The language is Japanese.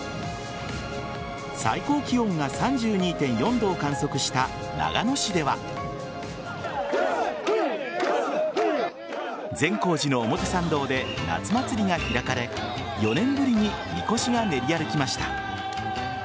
最高気温が３２．４度を観測した長野市では善光寺の表参道で夏祭りが開かれ４年ぶりにみこしが練り歩きました。